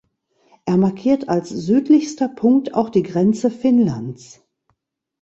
Er markiert als südlichster Punkt auch die Grenze Finnlands.